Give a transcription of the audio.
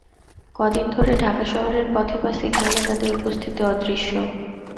কদিন ধরে ঢাকা শহরের পথে বা সিগন্যালে তাদের উপস্থিতি অদৃশ্য।